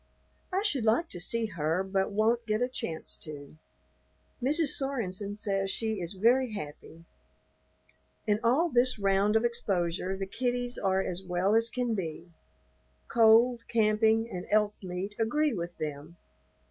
I should like to see her but won't get a chance to. Mrs. Sorenson says she is very happy. In all this round of exposure the kiddies are as well as can be. Cold, camping, and elk meat agree with them.